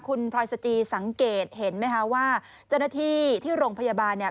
คุณพลอยสจีสังเกตเห็นไหมคะว่าเจ้าหน้าที่ที่โรงพยาบาลเนี่ย